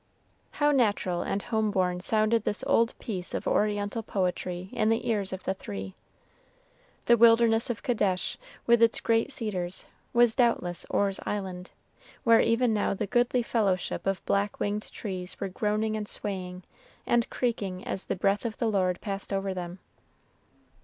How natural and home born sounded this old piece of Oriental poetry in the ears of the three! The wilderness of Kadesh, with its great cedars, was doubtless Orr's Island, where even now the goodly fellowship of black winged trees were groaning and swaying, and creaking as the breath of the Lord passed over them.